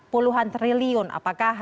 puluhan triliun apakah